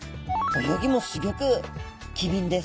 泳ぎもすギョく機敏です。